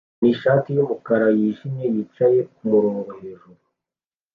nishati yumukara wijimye yicaye kumurongo hejuru